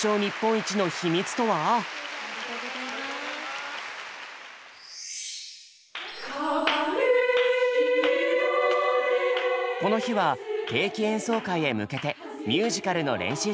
この日は定期演奏会へ向けてミュージカルの練習中。